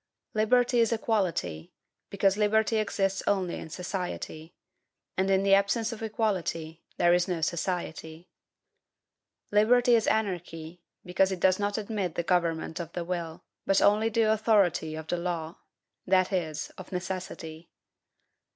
Liberty is equality, because liberty exists only in society; and in the absence of equality there is no society. Liberty is anarchy, because it does not admit the government of the will, but only the authority of the law; that is, of necessity.